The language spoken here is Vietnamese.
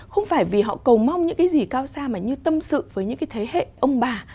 không phải vì họ cầu mong những cái gì cao xa mà như tâm sự với những cái thế hệ ông bà